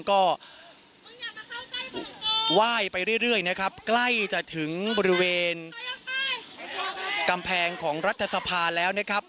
ก็ไหว้ไปเรื่อยนะครับใกล้จะถึงบริเวณกำแพงของรัฐสภาแล้วนะครับ